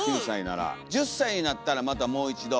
１０歳になったらまたもう一度。